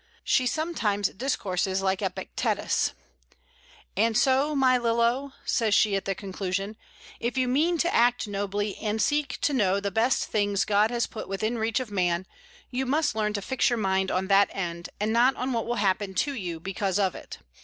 She sometimes discourses like Epictetus: "And so, my Lillo," says she at the conclusion, "if you mean to act nobly, and seek to know the best things God has put within reach of man, you must learn to fix your mind on that end, and not on what will happen to you because of it.